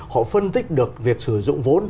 họ phân tích được việc sử dụng vốn